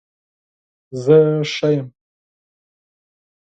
زه ښه یم